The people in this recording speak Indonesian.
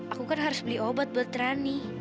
aku kan harus beli obat buat rani